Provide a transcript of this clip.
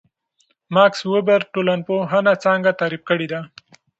ماکس وِبر ټولنپوهنه څنګه تعریف کړې ده؟